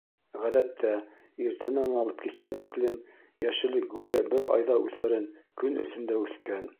Ғәҙәттә, иртәнән алып кискә тиклем йәшеллек гүйә бер айҙа үҫәрен көн эсендә үҫкән.